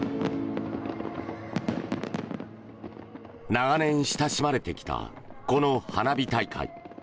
長年親しまれてきたこの花火大会。